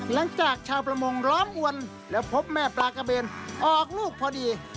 ชาวประมงล้อมอวนแล้วพบแม่ปลากระเบนออกลูกพอดี